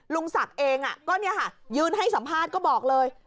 ลุงศักดิ์เองก็ยืนให้สัมภาษณ์ก็บอกเลย